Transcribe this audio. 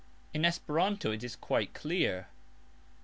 In Esperanto it is quite clear.